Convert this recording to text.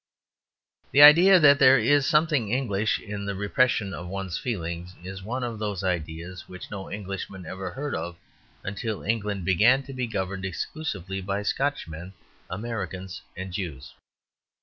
The idea that there is something English in the repression of one's feelings is one of those ideas which no Englishman ever heard of until England began to be governed exclusively by Scotchmen, Americans, and Jews.